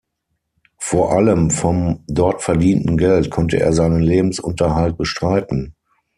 Vor allem vom dort verdienten Geld konnte er seinen Lebensunterhalt bestreiten.